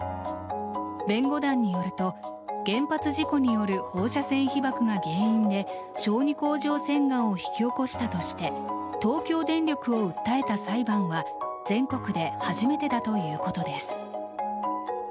弁護団によると、原発事故による放射線被ばくが原因で小児甲状腺がんを引き起こしたとして東京電力を訴えた裁判は全国で初めてだということです。